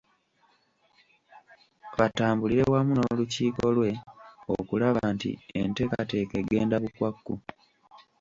Batambulire wamu n’olukiiko lwe okulaba nti enteekateeka egenda bukwakku.